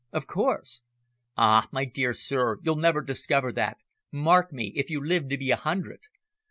"Of course." "Ah, my dear sir, you'll never discover that mark me if you live to be a hundred.